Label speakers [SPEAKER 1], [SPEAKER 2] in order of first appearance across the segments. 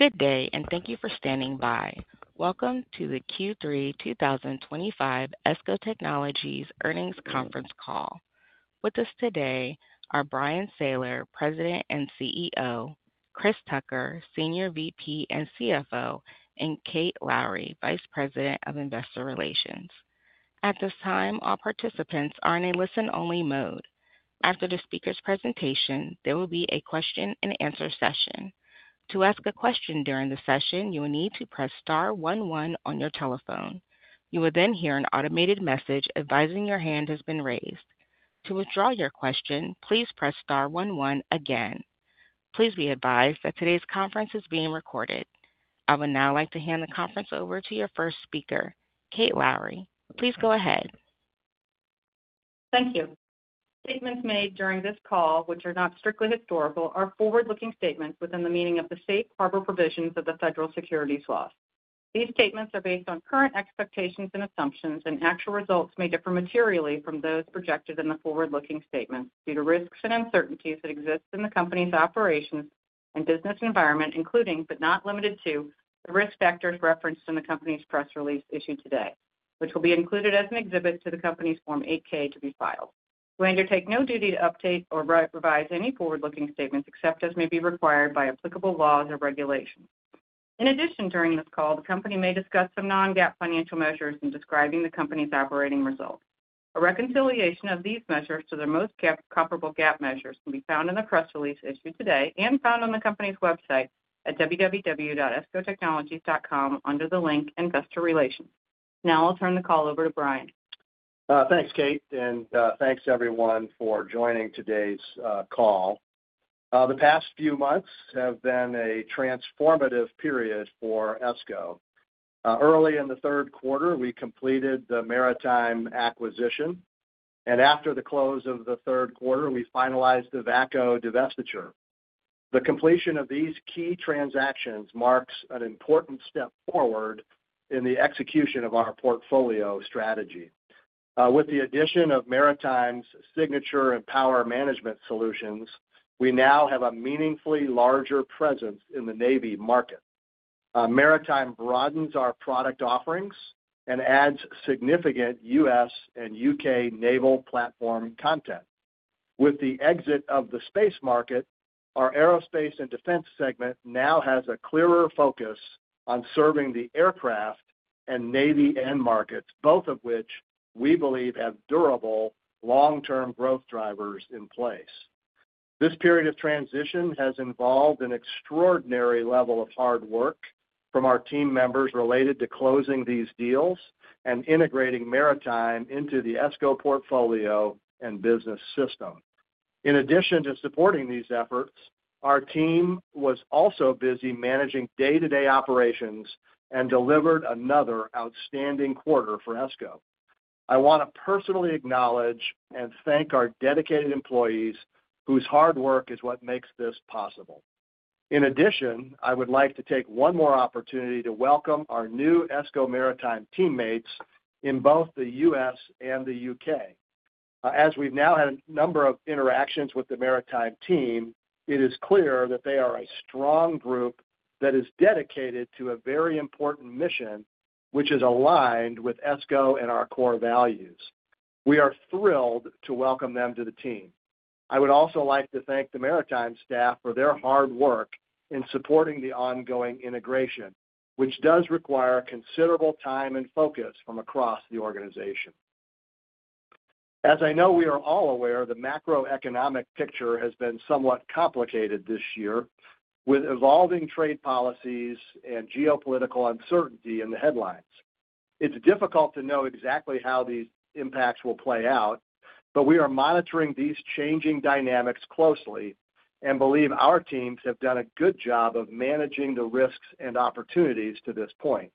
[SPEAKER 1] Good day, and thank you for standing by. Welcome to the Q3 2025 ESCO Technologies Earnings Conference Call. With us today are Bryan Sayler, President and CEO; Chris Tucker, Senior VP and CFO; and Kate Lowrey, Vice President of Investor Relations. At this time, all participants are in a listen-only mode. After the speaker's presentation, there will be a question-and-answer session. To ask a question during the session, you will need to press star one one on your telephone. You will then hear an automated message advising your hand has been raised. To withdraw your question, please press star one one again. Please be advised that today's conference is being recorded. I would now like to hand the conference over to your first speaker, Kate Lowrey. Please go ahead.
[SPEAKER 2] Thank you. Statements made during this call, which are not strictly historical, are forward-looking statements within the meaning of the safe harbor provisions of the Federal Securities Law. These statements are based on current expectations and assumptions, and actual results may differ materially from those projected in the forward-looking statements due to risks and uncertainties that exist in the company's operations and business environment, including but not limited to the risk factors referenced in the company's press release issued today, which will be included as an exhibit to the company's Form 8-K to be filed. You will undertake no duty to update or revise any forward-looking statements except as may be required by applicable laws or regulations. In addition, during this call, the company may discuss some non-GAAP financial measures in describing the company's operating results. A reconciliation of these measures to their most comparable GAAP measures can be found in the press release issued today and found on the company's website at www.escotechnologies.com under the link Investor Relations. Now I'll turn the call over to Bryan.
[SPEAKER 3] Thanks, Kate, and thanks everyone for joining today's call. The past few months have been a transformative period for ESCO. Early in the third quarter, we completed the Maritime acquisition, and after the close of the third quarter, we finalized the VACCO divestiture. The completion of these key transactions marks an important step forward in the execution of our portfolio strategy. With the addition of Maritime's signature and power management solutions, we now have a meaningfully larger presence in the Navy market. Maritime broadens our product offerings and adds significant U.S. and U.K. naval platform content. With the exit of the space market, our Aerospace & Defense segment now has a clearer focus on serving the aircraft and Navy end markets, both of which we believe have durable long-term growth drivers in place. This period of transition has involved an extraordinary level of hard work from our team members related to closing these deals and integrating Maritime into the ESCO portfolio and business system. In addition to supporting these efforts, our team was also busy managing day-to-day operations and delivered another outstanding quarter for ESCO. I want to personally acknowledge and thank our dedicated employees whose hard work is what makes this possible. In addition, I would like to take one more opportunity to welcome our new ESCO Maritime teammates in both the U.S. and the U.K. As we've now had a number of interactions with the Maritime team, it is clear that they are a strong group that is dedicated to a very important mission, which is aligned with ESCO and our core values. We are thrilled to welcome them to the team. I would also like to thank the Maritime staff for their hard work in supporting the ongoing integration, which does require considerable time and focus from across the organization. As I know we are all aware, the macroeconomic picture has been somewhat complicated this year with evolving trade policies and geopolitical uncertainty in the headlines. It's difficult to know exactly how these impacts will play out, but we are monitoring these changing dynamics closely and believe our teams have done a good job of managing the risks and opportunities to this point.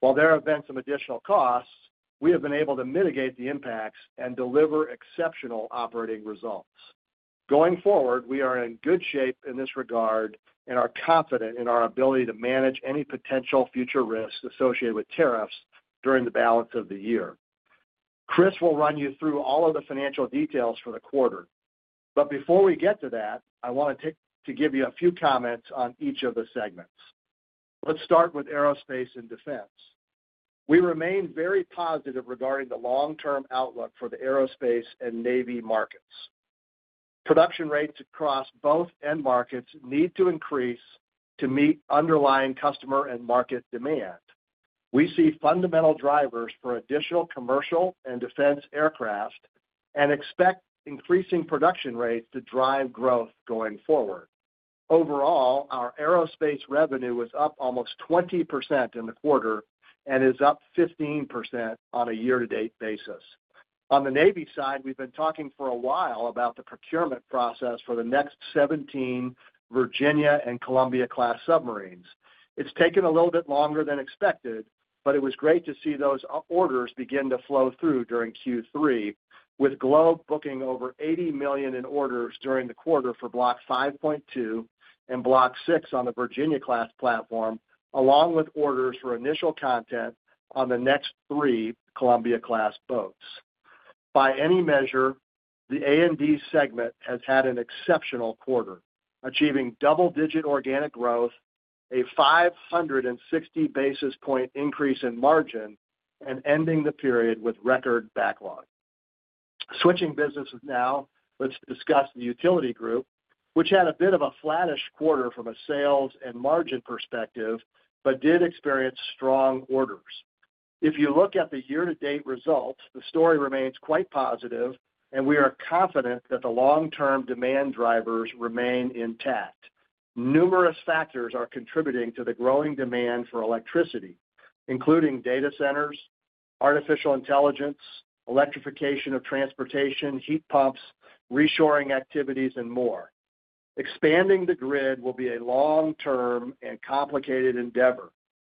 [SPEAKER 3] While there have been some additional costs, we have been able to mitigate the impacts and deliver exceptional operating results. Going forward, we are in good shape in this regard and are confident in our ability to manage any potential future risks associated with tariffs during the balance of the year. Chris will run you through all of the financial details for the quarter, but before we get to that, I want to give you a few comments on each of the segments. Let's start with Aerospace & Defense. We remain very positive regarding the long-term outlook for the aerospace and Navy markets. Production rates across both end markets need to increase to meet underlying customer and market demand. We see fundamental drivers for additional commercial and defense aircraft and expect increasing production rates to drive growth going forward. Overall, our aerospace revenue is up almost 20% in the quarter and is up 15% on a year-to-date basis. On the Navy side, we've been talking for a while about the procurement process for the next 17 Virginia-class and Columbia-class submarines. It's taken a little bit longer than expected, but it was great to see those orders begin to flow through during Q3, with Globe booking over $80 million in orders during the quarter for Block 5.2 and Block 6 on the Virginia-class platform, along with orders for initial content on the next three Columbia-class boats. By any measure, the A&D segment has had an exceptional quarter, achieving double-digit organic growth, a 560 basis point increase in margin, and ending the period with record backlog. Switching businesses now, let's discuss the Utility Solutions Group, which had a bit of a flattish quarter from a sales and margin perspective, but did experience strong orders. If you look at the year-to-date results, the story remains quite positive, and we are confident that the long-term demand drivers remain intact. Numerous factors are contributing to the growing demand for electricity, including data centers, artificial intelligence, electrification of transportation, heat pumps, reshoring activities, and more. Expanding the grid will be a long-term and complicated endeavor,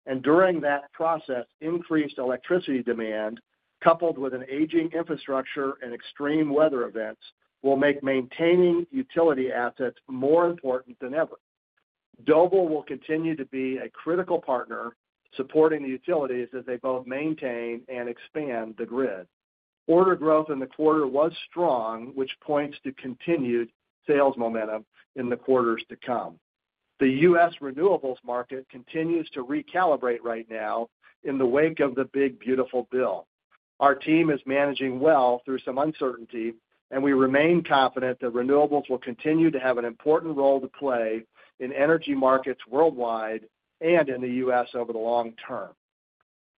[SPEAKER 3] and during that process, increased electricity demand, coupled with an aging infrastructure and extreme weather events, will make maintaining utility assets more important than ever. Doble will continue to be a critical partner supporting the utilities as they both maintain and expand the grid. Order growth in the quarter was strong, which points to continued sales momentum in the quarters to come. The U.S. Renewables market continues to recalibrate right now in the wake of the Big Beautiful Bill. Our team is managing well through some uncertainty, and we remain confident that renewables will continue to have an important role to play in energy markets worldwide and in the U.S. over the long term.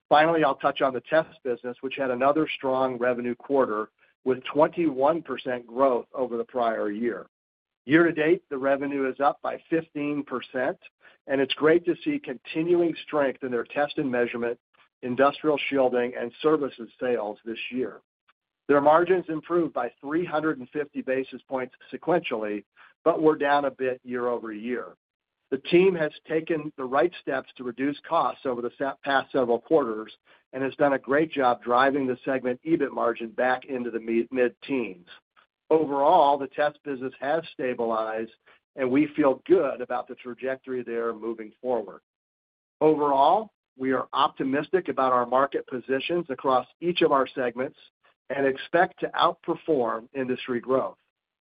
[SPEAKER 3] Finally, I'll touch on the test business, which had another strong revenue quarter with 21% growth over the prior year. Year-to-date, the revenue is up by 15%, and it's great to see continuing strength in their test and measurement, industrial shielding, and services sales this year. Their margins improved by 350 basis points sequentially, but were down a bit year over year. The team has taken the right steps to reduce costs over the past several quarters and has done a great job driving the segment EBIT margin back into the mid-teens. Overall, the test business has stabilized, and we feel good about the trajectory they're moving forward. Overall, we are optimistic about our market positions across each of our segments and expect to outperform industry growth.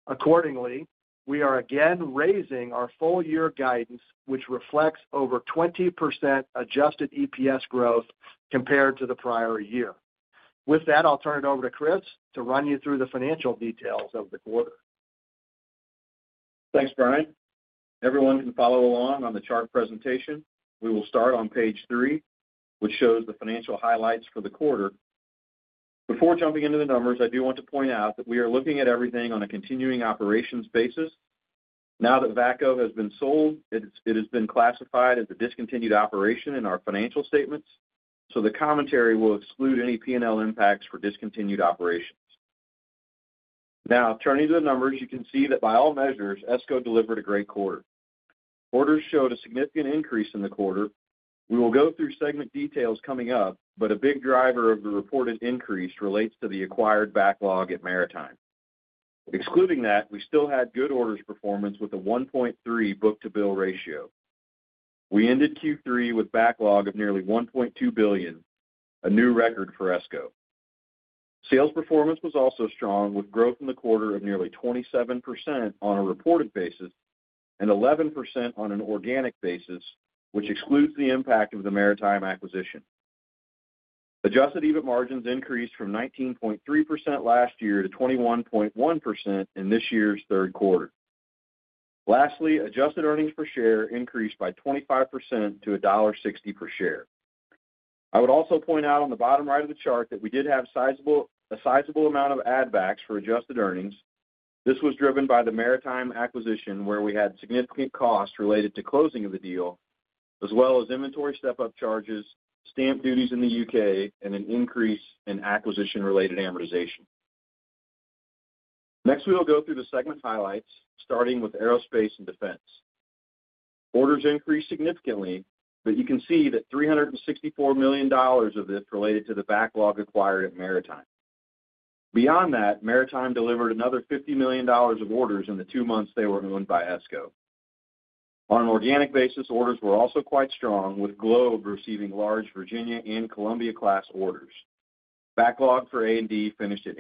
[SPEAKER 3] Accordingly, we are again raising our full-year guidance, which reflects over 20% adjusted EPS growth compared to the prior year. With that, I'll turn it over to Chris to run you through the financial details of the quarter.
[SPEAKER 4] Thanks, Bryan. Everyone can follow along on the chart presentation. We will start on page three, which shows the financial highlights for the quarter. Before jumping into the numbers, I do want to point out that we are looking at everything on a continuing operations basis. Now that VACCO has been sold, it has been classified as a discontinued operation in our financial statements, so the commentary will exclude any P&L impacts for discontinued operations. Now, turning to the numbers, you can see that by all measures, ESCO Technologies Inc. delivered a great quarter. Orders showed a significant increase in the quarter. We will go through segment details coming up, but a big driver of the reported increase relates to the acquired backlog at Maritime. Excluding that, we still had good orders performance with a 1.3 book-to-bill ratio. We ended Q3 with a backlog of nearly $1.2 billion, a new record for ESCO. Sales performance was also strong, with growth in the quarter of nearly 27% on a reported basis and 11% on an organic basis, which excludes the impact of the Maritime acquisition. Adjusted EBIT margins increased from 19.3% last year to 21.1% in this year's third quarter. Lastly, adjusted earnings per share increased by 25% to $1.60 per share. I would also point out on the bottom right of the chart that we did have a sizable amount of add-backs for adjusted earnings. This was driven by the Maritime acquisition, where we had significant costs related to closing of the deal, as well as inventory step-up charges, stamp duties in the U.K., and an increase in acquisition-related amortization. Next, we will go through the segment highlights, starting with Aerospace & Defense. Orders increased significantly, but you can see that $364 million of it related to the backlog acquired at Maritime. Beyond that, Maritime delivered another $50 million of orders in the two months they were owned by ESCO. On an organic basis, orders were also quite strong, with Globe receiving large Virginia-class and Columbia-class orders. Backlog for A&D finished at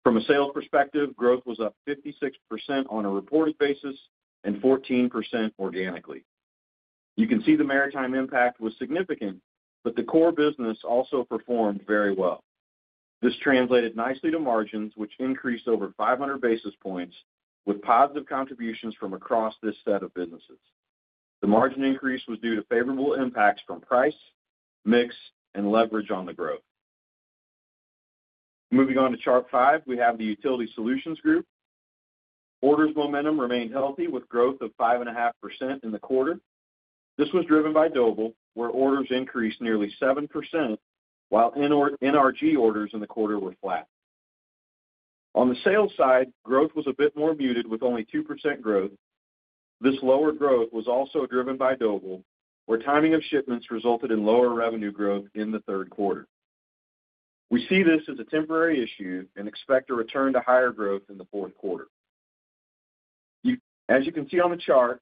[SPEAKER 4] $832 million. From a sales perspective, growth was up 56% on a reported basis and 14% organically. You can see the Maritime impact was significant, but the core business also performed very well. This translated nicely to margins, which increased over 500 basis points, with positive contributions from across this set of businesses. The margin increase was due to favorable impacts from price, mix, and leverage on the growth. Moving on to chart five, we have the Utility Solutions Group. Orders momentum remained healthy, with growth of 5.5% in the quarter. This was driven by Doble, where orders increased nearly 7%, while NRG orders in the quarter were flat. On the sales side, growth was a bit more muted, with only 2% growth. This lower growth was also driven by Doble, where timing of shipments resulted in lower revenue growth in the third quarter. We see this as a temporary issue and expect a return to higher growth in the fourth quarter. As you can see on the chart,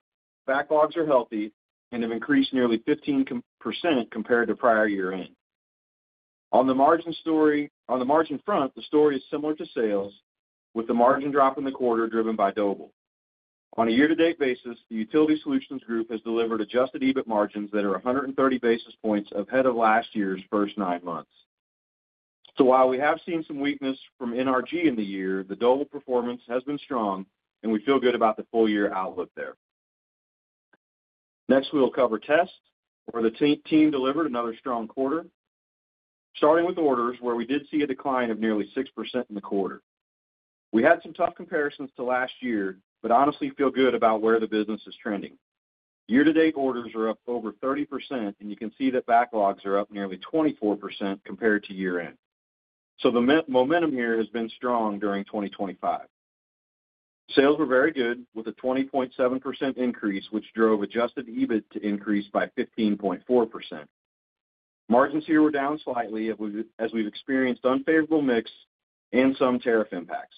[SPEAKER 4] backlogs are healthy and have increased nearly 15% compared to prior year-end. On the margin front, the story is similar to sales, with the margin drop in the quarter driven by Doble. On a year-to-date basis, the Utility Solutions Group has delivered adjusted EBIT margins that are 130 basis points ahead of last year's first nine months. While we have seen some weakness from NRG in the year, the Doble performance has been strong, and we feel good about the full-year outlook there. Next, we will cover Test, where the team delivered another strong quarter, starting with orders, where we did see a decline of nearly 6% in the quarter. We had some tough comparisons to last year, but honestly feel good about where the business is trending. Year-to-date orders are up over 30%, and you can see that backlogs are up nearly 24% compared to year-end. The momentum here has been strong during 2025. Sales were very good, with a 20.7% increase, which drove adjusted EBIT to increase by 15.4%. Margins here were down slightly, as we've experienced unfavorable mix and some tariff impacts.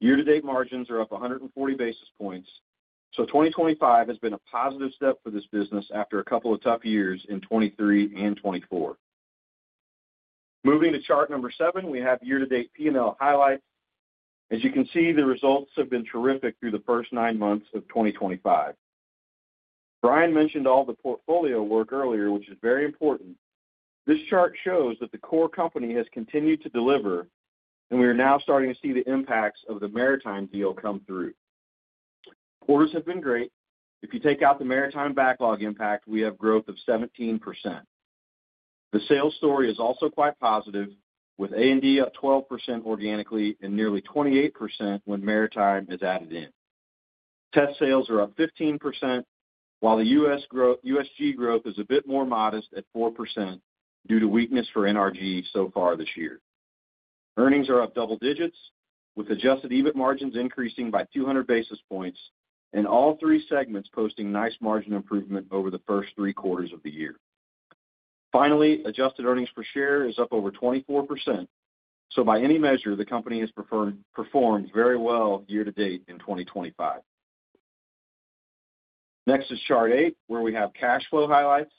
[SPEAKER 4] Year-to-date margins are up 140 basis points, so 2025 has been a positive step for this business after a couple of tough years in 2023 and 2024. Moving to chart number seven, we have year-to-date P&L highlights. As you can see, the results have been terrific through the first nine months of 2025. Bryan mentioned all the portfolio work earlier, which is very important. This chart shows that the core company has continued to deliver, and we are now starting to see the impacts of the Maritime deal come through. Orders have been great. If you take out the Maritime backlog impact, we have growth of 17%. The sales story is also quite positive, with A&D up 12% organically and nearly 28% when Maritime is added in. Test sales are up 15%, while the USG growth is a bit more modest at 4% due to weakness for NRG so far this year. Earnings are up double digits, with adjusted EBIT margins increasing by 200 basis points and all three segments posting nice margin improvement over the first three quarters of the year. Finally, adjusted earnings per share is up over 24%. By any measure, the company has performed very well year to date in 2025. Next is chart eight, where we have cash flow highlights.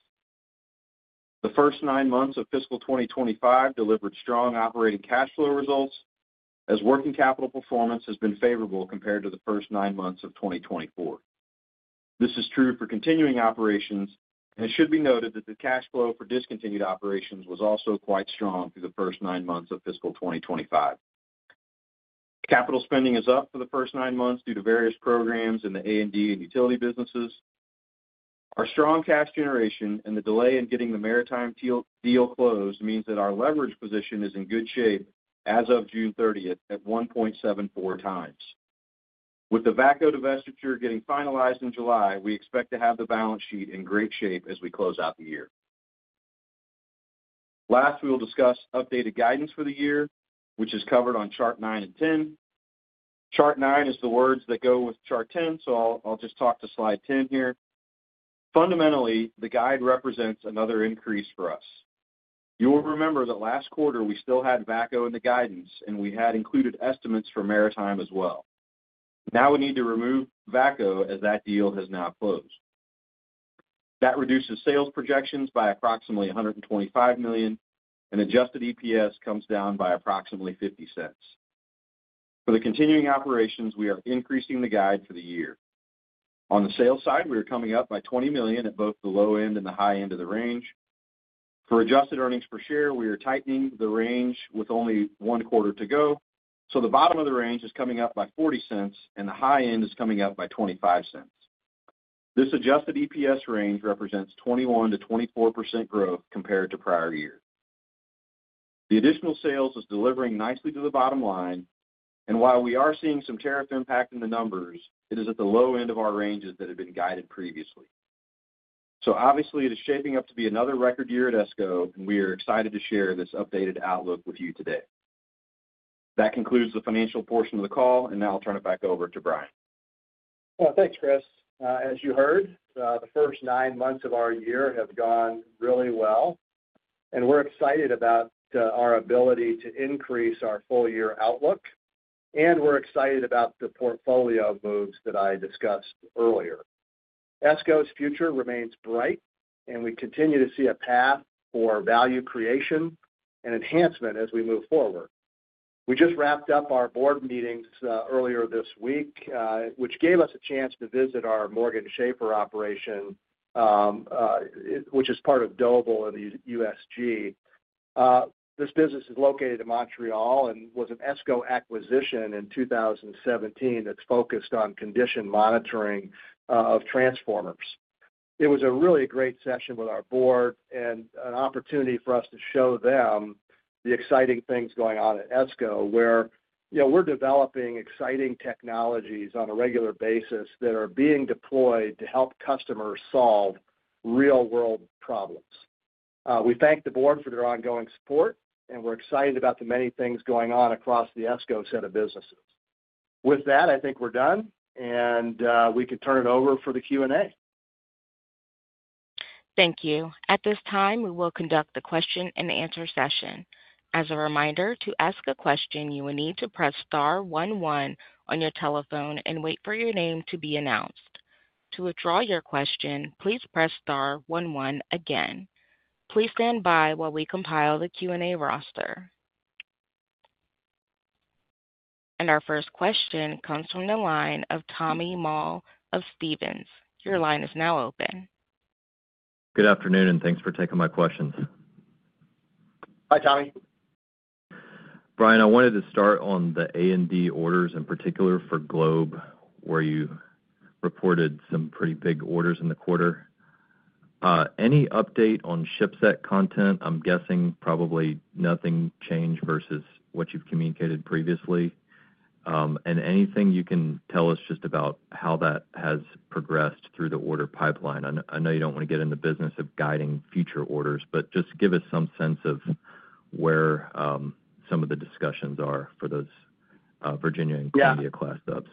[SPEAKER 4] The first nine months of fiscal 2025 delivered strong operating cash flow results, as working capital performance has been favorable compared to the first nine months of 2024. This is true for continuing operations, and it should be noted that the cash flow for discontinued operations was also quite strong through the first nine months of fiscal 2025. Capital spending is up for the first nine months due to various programs in the A&D and utility businesses. Our strong cash generation and the delay in getting the Maritime deal closed means that our leverage position is in good shape as of June 30th at 1.74x. With the VACCO divestiture getting finalized in July, we expect to have the balance sheet in great shape as we close out the year. Last, we will discuss updated guidance for the year, which is covered on chart nine and ten. Chart nine is the words that go with chart ten, so I'll just talk to slide ten here. Fundamentally, the guide represents another increase for us. You will remember that last quarter we still had VACCO in the guidance, and we had included estimates for Maritime as well. Now we need to remove VACCO as that deal has now closed. That reduces sales projections by approximately $125 million, and adjusted EPS comes down by approximately $0.50. For the continuing operations, we are increasing the guide for the year. On the sales side, we are coming up by $20 million at both the low end and the high end of the range. For adjusted earnings per share, we are tightening the range with only one quarter to go. The bottom of the range is coming up by $0.40, and the high end is coming up by $0.25. This adjusted EPS range represents 21%-24% growth compared to prior years. The additional sales is delivering nicely to the bottom line, and while we are seeing some tariff impact in the numbers, it is at the low end of our ranges that have been guided previously. Obviously, it is shaping up to be another record year at ESCO, and we are excited to share this updated outlook with you today. That concludes the financial portion of the call, and now I'll turn it back over to Bryan.
[SPEAKER 3] Thanks, Chris. As you heard, the first nine months of our year have gone really well, and we're excited about our ability to increase our full-year outlook, and we're excited about the portfolio moves that I discussed earlier. ESCO's future remains bright, and we continue to see a path for value creation and enhancement as we move forward. We just wrapped up our board meetings earlier this week, which gave us a chance to visit our Morgan Shafer operation, which is part of Doble and the USG. This business is located in Montreal and was an ESCO acquisition in 2017 that's focused on condition monitoring of transformers. It was a really great session with our board and an opportunity for us to show them the exciting things going on at ESCO, where you know we're developing exciting technologies on a regular basis that are being deployed to help customers solve real-world problems. We thank the board for their ongoing support, and we're excited about the many things going on across the ESCO set of businesses. With that, I think we're done, and we can turn it over for the Q&A.
[SPEAKER 1] Thank you. At this time, we will conduct the question-and-answer session. As a reminder, to ask a question, you will need to press star one one on your telephone and wait for your name to be announced. To withdraw your question, please press star one one again. Please stand by while we compile the Q&A roster. Our first question comes from the line of Tommy Moll of Stephens. Your line is now open.
[SPEAKER 5] Good afternoon, and thanks for taking my questions.
[SPEAKER 3] Hi, Tommy.
[SPEAKER 5] Bryan, I wanted to start on the A&D orders, in particular for Globe, where you reported some pretty big orders in the quarter. Any update on ship set content? I'm guessing probably nothing changed versus what you've communicated previously. Anything you can tell us just about how that has progressed through the order pipeline? I know you don't want to get in the business of guiding future orders, just give us some sense of where some of the discussions are for those Virginia and Columbia-class subs.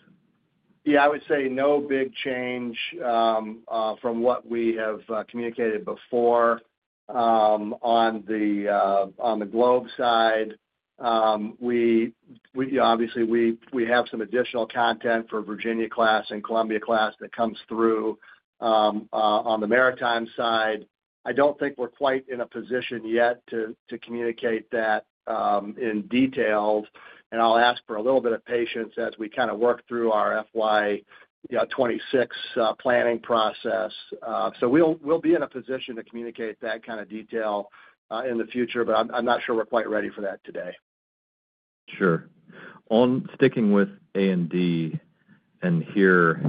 [SPEAKER 3] Yeah, I would say no big change from what we have communicated before. On the Globe side, obviously, we have some additional content for Virginia-class and Columbia-class that comes through on the Maritime side. I don't think we're quite in a position yet to communicate that in detail, and I'll ask for a little bit of patience as we kind of work through our FY2026 planning process. We will be in a position to communicate that kind of detail in the future, but I'm not sure we're quite ready for that today.
[SPEAKER 5] Sure. Sticking with A&D, and here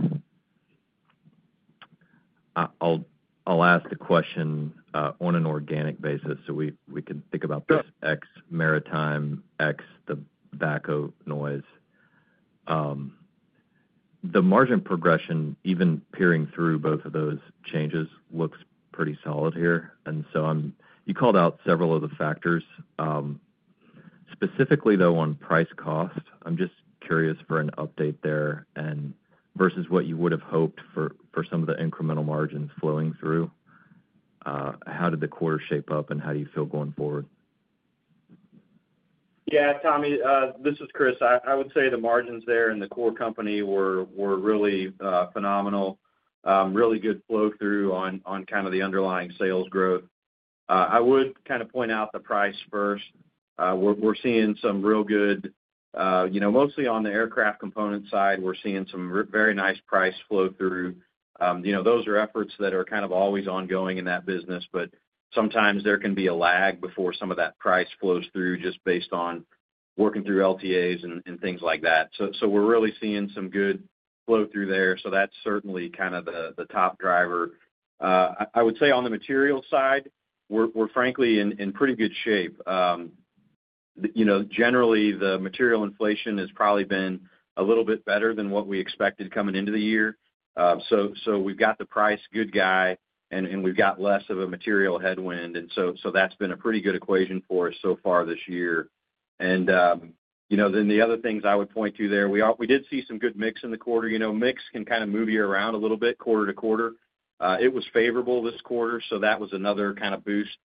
[SPEAKER 5] I'll ask the question on an organic basis so we can think about this excluding Maritime and excluding the VACCO noise. The margin progression, even peering through both of those changes, looks pretty solid here. You called out several of the factors. Specifically, though, on price cost, I'm just curious for an update there and versus what you would have hoped for some of the incremental margins flowing through. How did the quarter shape up, and how do you feel going forward?
[SPEAKER 4] Yeah, Tommy, this is Chris. I would say the margins there in the core company were really phenomenal, really good flow-through on kind of the underlying sales growth. I would kind of point out the price first. We're seeing some real good, you know, mostly on the aircraft component side, we're seeing some very nice price flow-through. Those are efforts that are kind of always ongoing in that business, but sometimes there can be a lag before some of that price flows through just based on working through LTAs and things like that. We're really seeing some good flow-through there. That's certainly kind of the top driver. I would say on the material side, we're frankly in pretty good shape. Generally, the material inflation has probably been a little bit better than what we expected coming into the year. We've got the price good guy, and we've got less of a material headwind. That's been a pretty good equation for us so far this year. The other things I would point to there, we did see some good mix in the quarter. Mix can kind of move you around a little bit quarter to quarter. It was favorable this quarter, so that was another kind of boost.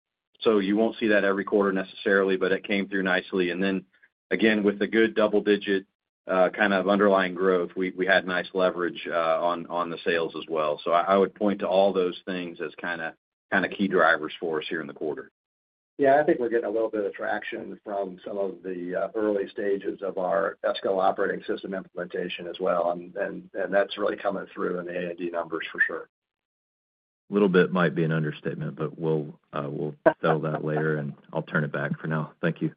[SPEAKER 4] You won't see that every quarter necessarily, but it came through nicely. With the good double-digit kind of underlying growth, we had nice leverage on the sales as well. I would point to all those things as kind of key drivers for us here in the quarter. I think we're getting a little bit of traction from some of the early stages of our ESCO operating system implementation as well. That's really coming through in the A&D numbers for sure.
[SPEAKER 5] A little bit might be an understatement, but we'll settle that later. I'll turn it back for now. Thank you.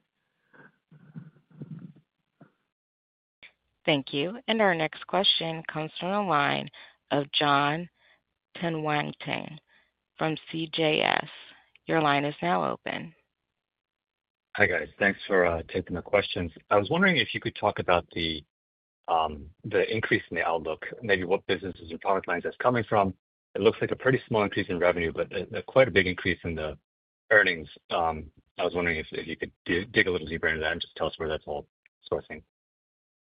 [SPEAKER 1] Thank you. Our next question comes from the line of Jon Tanwanteng from CJS. Your line is now open.
[SPEAKER 6] Hi guys, thanks for taking the questions. I was wondering if you could talk about the increase in the outlook, maybe what businesses and product lines that's coming from. It looks like a pretty small increase in revenue, but quite a big increase in the earnings. I was wondering if you could dig a little deeper into that and just tell us where that's all sourcing.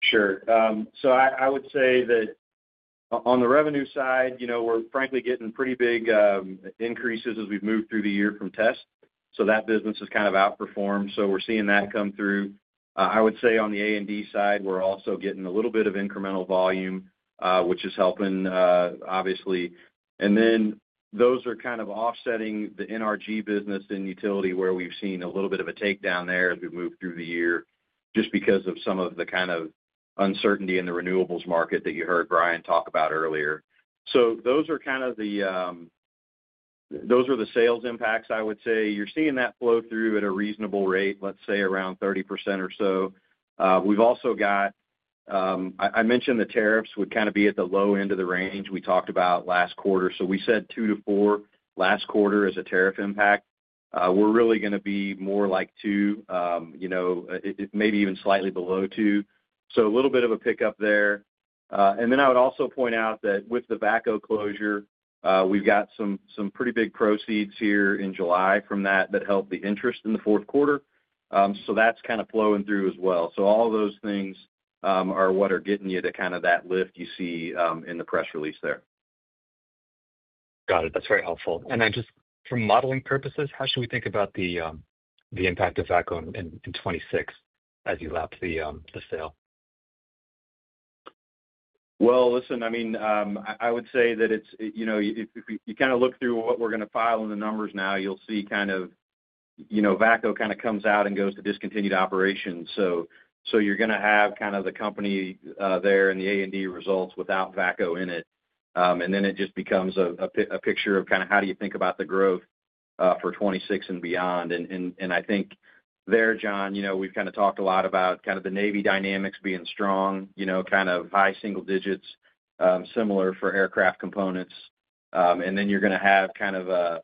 [SPEAKER 4] Sure. I would say that on the revenue side, we're frankly getting pretty big increases as we've moved through the year from Test. That business has kind of outperformed, so we're seeing that come through. I would say on the A&D side, we're also getting a little bit of incremental volume, which is helping, obviously. Those are kind of offsetting the NRG business in utility, where we've seen a little bit of a takedown there as we move through the year, just because of some of the kind of uncertainty in the renewables market that you heard Bryan talk about earlier. Those are the sales impacts, I would say. You're seeing that flow through at a reasonable rate, let's say around 30% or so. We've also got, I mentioned the tariffs would kind of be at the low end of the range we talked about last quarter. We said 2-4 last quarter as a tariff impact. We're really going to be more like 2, maybe even slightly below 2. A little bit of a pickup there. I would also point out that with the VACCO closure, we've got some pretty big proceeds here in July from that that helped the interest in the fourth quarter. That's kind of flowing through as well. All of those things are what are getting you to that lift you see in the press release there.
[SPEAKER 6] Got it. That's very helpful. For modeling purposes, how should we think about the impact of VACCO in 2026 as you lapped the sale?
[SPEAKER 4] I mean, I would say that it's, you know, if you kind of look through what we're going to file in the numbers now, you'll see kind of, you know, VACCO kind of comes out and goes to discontinued operations. You're going to have kind of the company there in the A&D results without VACCO in it. It just becomes a picture of kind of how do you think about the growth for 2026 and beyond. I think there, Jon, you know, we've kind of talked a lot about kind of the Navy dynamics being strong, you know, kind of high single digits, similar for aircraft components. You're going to have kind of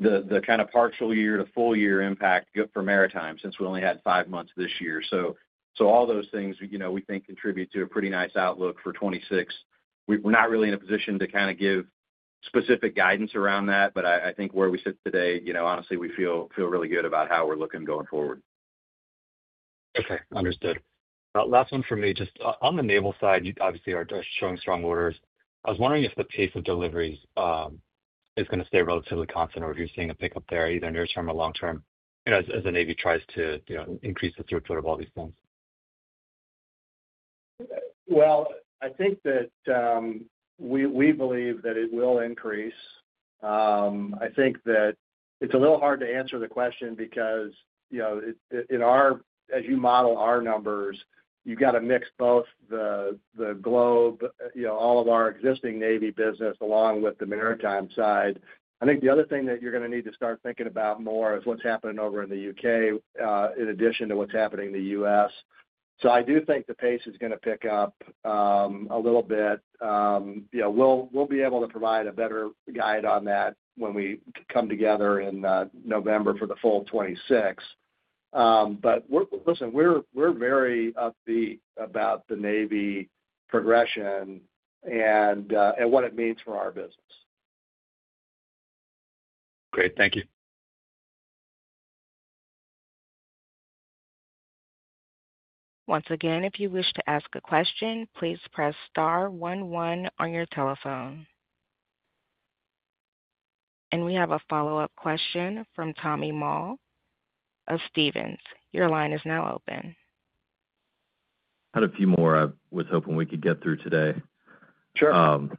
[SPEAKER 4] the kind of partial year to full year impact for Maritime since we only had five months this year. All those things, you know, we think contribute to a pretty nice outlook for 2026. We're not really in a position to kind of give specific guidance around that, but I think where we sit today, you know, honestly, we feel really good about how we're looking going forward.
[SPEAKER 6] Okay. Understood. Last one for me, just on the naval side, you obviously are showing strong orders. I was wondering if the pace of deliveries is going to stay relatively constant, or if you're seeing a pickup there either near-term or long-term, as the Navy tries to increase the throughput of all these points.
[SPEAKER 3] I think that we believe that it will increase. I think that it's a little hard to answer the question because, you know, as you model our numbers, you've got to mix both the Globe, you know, all of our existing Navy business along with the Maritime side. I think the other thing that you're going to need to start thinking about more is what's happening over in the U.K. in addition to what's happening in the U.S. I do think the pace is going to pick up a little bit. We'll be able to provide a better guide on that when we come together in November for the full of 2026. Listen, we're very upbeat about the Navy progression and what it means for our business.
[SPEAKER 6] Great. Thank you.
[SPEAKER 1] Once again, if you wish to ask a question, please press star one one on your telephone. We have a follow-up question from Tommy Moll of Stephens. Your line is now open.
[SPEAKER 5] I had a few more I was hoping we could get through today.
[SPEAKER 4] Sure.
[SPEAKER 5] On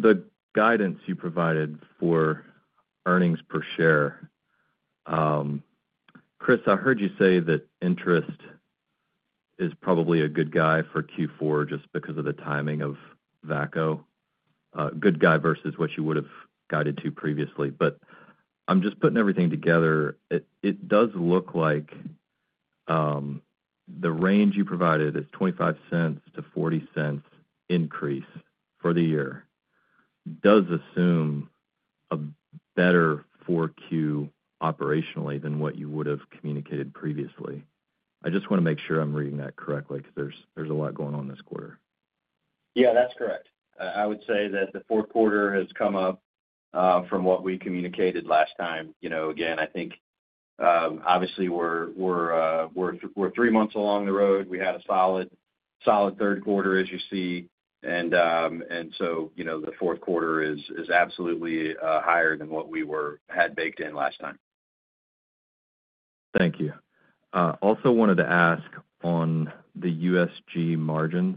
[SPEAKER 5] the guidance you provided for earnings per share, Chris, I heard you say that interest is probably a good guy for Q4 just because of the timing of VACCO, a good guy versus what you would have guided to previously. I'm just putting everything together. It does look like the range you provided is $0.25-$0.40 increase for the year. It does assume a better Q4 operationally than what you would have communicated previously. I just want to make sure I'm reading that correctly because there's a lot going on this quarter.
[SPEAKER 4] Yeah, that's correct. I would say that the fourth quarter has come up from what we communicated last time. I think obviously we're three months along the road. We had a solid third quarter, as you see. The fourth quarter is absolutely higher than what we had baked in last time.
[SPEAKER 5] Thank you. I also wanted to ask on the USG margins,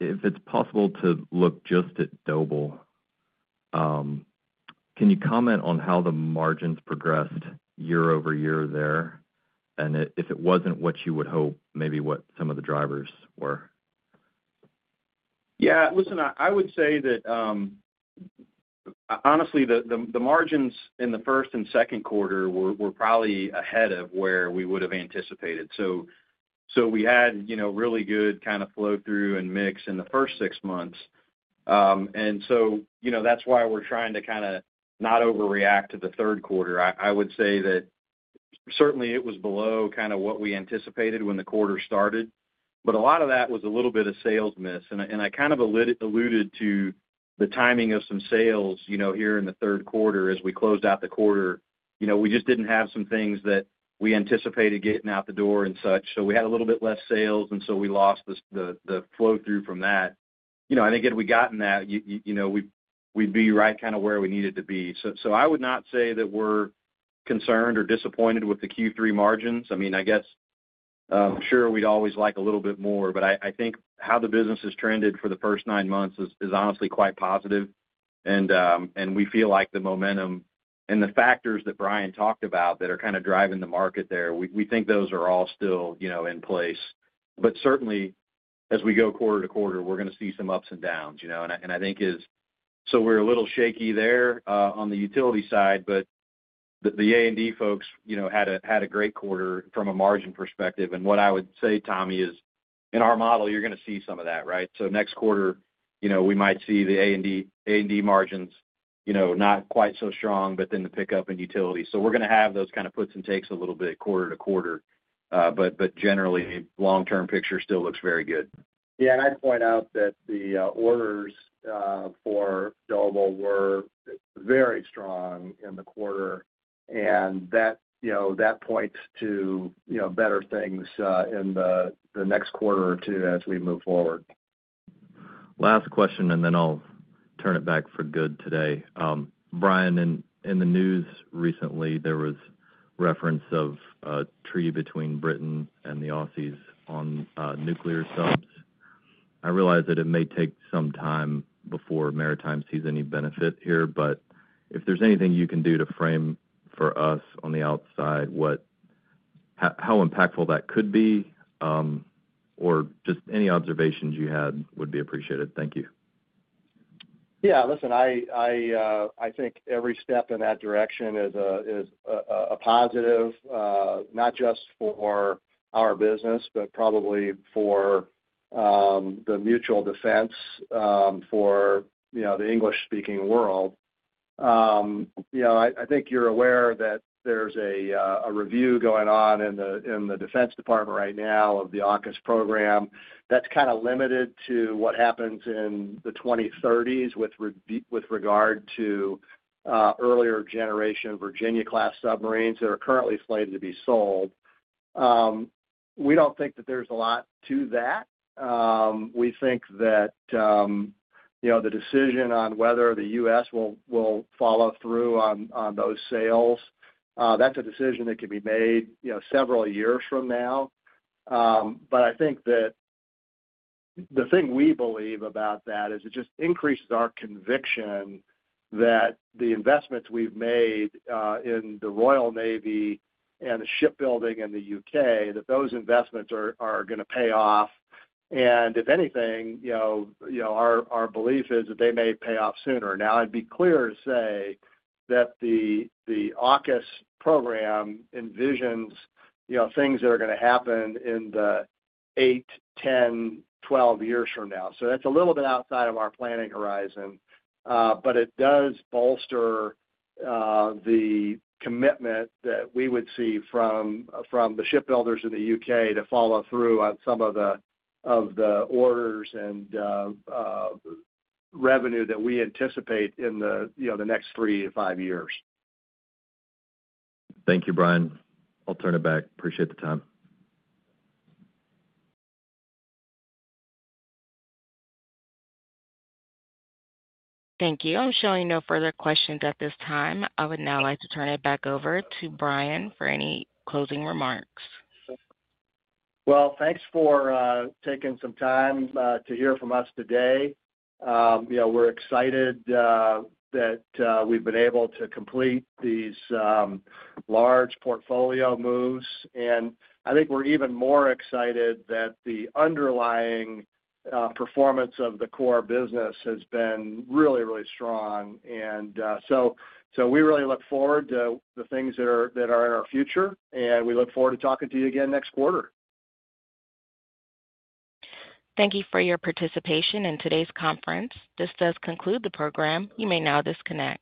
[SPEAKER 5] if it's possible to look just at Doble, can you comment on how the margins progressed year over year there? If it wasn't what you would hope, maybe what some of the drivers were.
[SPEAKER 4] Yeah, listen, I would say that honestly, the margins in the first and second quarter were probably ahead of where we would have anticipated. We had really good kind of flow-through and mix in the first six months. That is why we're trying to not overreact to the third quarter. I would say that certainly it was below what we anticipated when the quarter started. A lot of that was a little bit of sales miss. I alluded to the timing of some sales here in the third quarter as we closed out the quarter. We just didn't have some things that we anticipated getting out the door and such. We had a little bit less sales, and we lost the flow-through from that. I think if we'd gotten that, we'd be right where we needed to be. I would not say that we're concerned or disappointed with the Q3 margins. I mean, I guess, sure, we'd always like a little bit more, but I think how the business has trended for the first nine months is honestly quite positive. We feel like the momentum and the factors that Bryan talked about that are kind of driving the market there, we think those are all still in place. Certainly, as we go quarter to quarter, we're going to see some ups and downs, and I think we are a little shaky there on the utility side, but the A&D folks had a great quarter from a margin perspective. What I would say, Tommy, is in our model, you're going to see some of that, right? Next quarter, we might see the A&D margins not quite so strong, but then the pickup in utility. We're going to have those kind of puts and takes a little bit quarter to quarter. Generally, the long-term picture still looks very good. Yeah. I'd point out that the orders for Doble were very strong in the quarter. That points to better things in the next quarter or two as we move forward.
[SPEAKER 5] Last question, and then I'll turn it back for good today. Bryan, in the news recently, there was reference of a treaty between Britain and the Aussies on nuclear subs. I realize that it may take some time before Maritime sees any benefit here, but if there's anything you can do to frame for us on the outside, how impactful that could be, or just any observations you had would be appreciated. Thank you.
[SPEAKER 3] Yeah, listen, I think every step in that direction is a positive, not just for our business, but probably for the mutual defense for, you know, the English-speaking world. I think you're aware that there's a review going on in the Defense Department right now of the AUKUS program that's kind of limited to what happens in the 2030s with regard to earlier generation Virginia-class submarines that are currently slated to be sold. We don't think that there's a lot to that. We think that the decision on whether the U.S. will follow through on those sales, that's a decision that could be made several years from now. I think that the thing we believe about that is it just increases our conviction that the investments we've made in the Royal Navy and the shipbuilding in the U.K., that those investments are going to pay off. If anything, our belief is that they may pay off sooner. I'd be clear to say that the AUKUS program envisions things that are going to happen in the 8, 10, 12 years from now. That's a little bit outside of our planning horizon. It does bolster the commitment that we would see from the shipbuilders in the U.K. to follow through on some of the orders and revenue that we anticipate in the next three to five years.
[SPEAKER 5] Thank you, Bryan. I'll turn it back. Appreciate the time.
[SPEAKER 1] Thank you. I'm showing no further questions at this time. I would now like to turn it back over to Bryan for any closing remarks.
[SPEAKER 3] Thank you for taking some time to hear from us today. We're excited that we've been able to complete these large portfolio moves, and I think we're even more excited that the underlying performance of the core business has been really, really strong. We really look forward to the things that are in our future, and we look forward to talking to you again next quarter.
[SPEAKER 1] Thank you for your participation in today's conference. This does conclude the program. You may now disconnect.